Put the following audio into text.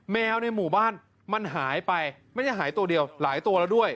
แมวในหมู่บ้านมันหายไปไม่ได้หายตัวเดียวหลายตัวแล้วด้วย